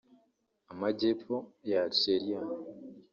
Amajyepfo ya Algeria